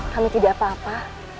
kami tidak apa apa